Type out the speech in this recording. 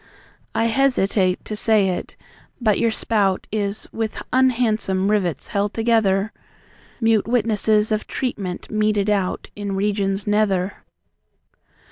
I hesitate to say it, but your spout Is with unhandsome rivets held together Mute witnesses of treatment meted out In regions nether.